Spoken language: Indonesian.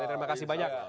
terima kasih banyak